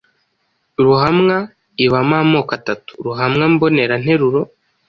Ruhamwa ibamo amoko atatu: Ruhamwa mboneranteruro